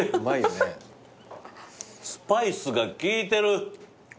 スパイスが効いてる。